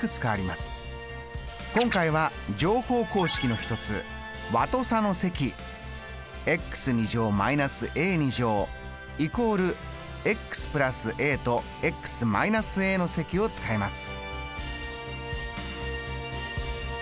今回は乗法公式の一つ和と差の積積を使います。